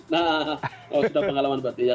nah kalau sudah pengalaman berarti ya